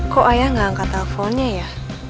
kok ayah gak angkat teleponnya ya